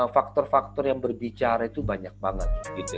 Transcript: faktor faktor yang berbicara itu banyak banget